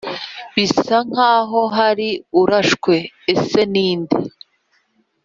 bisa nkaho hari urashwe, ese ninde???